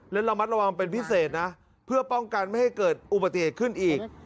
และระมัดระวังเป็นพิเศษนะเพื่อป้องกันไม่ให้เกิดอุบัติเหตุขึ้นอีก